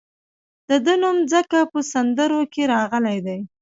د ده نوم ځکه په سندرو کې راغلی دی.